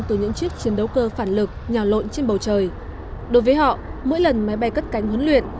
từ những chiếc chiến đấu cơ phản lực nhào lộn trên bầu trời đối với họ mỗi lần máy bay cất cánh huấn luyện